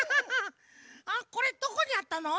あっこれどこにあったの？